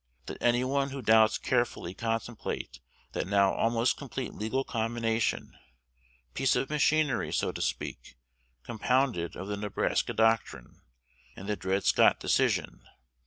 Let any one who doubts carefully contemplate that now almost complete legal combination, piece of machinery, so to speak, compounded of the Nebraska doctrine and the Dred Scott Decision.